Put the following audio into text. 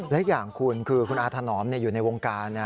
และอย่างคุณคือคุณอาถนอมอยู่ในวงการ